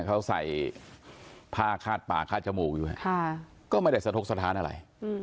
เขาใส่ผ้าคาดปากคาดจมูกอยู่ก็ไม่ได้สะทกสถานอะไร